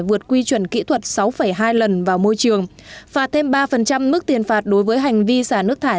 vượt quy chuẩn kỹ thuật sáu hai lần vào môi trường phạt thêm ba mức tiền phạt đối với hành vi xả nước thải